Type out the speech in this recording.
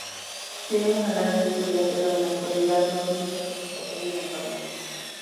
Tiene una larga historia, pero en la actualidad, no tiene representación en el Parlamento.